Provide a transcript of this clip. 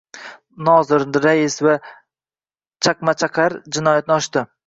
Nozir, rais va chaqmachaqar jinoyatni ochdi.